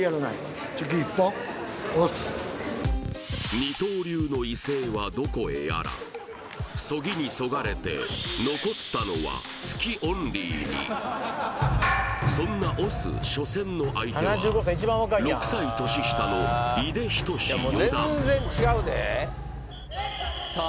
二刀流の威勢はどこへやらそぎにそがれてそんな押忍初戦の相手は６歳年下の井手齊四段さあ